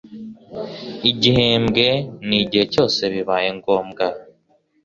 igihembwe n igihe cyose bibaye ngombwa